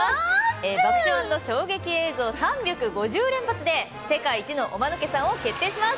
爆笑＆衝撃映像３５０連発で世界一のお間抜けさんを決定します。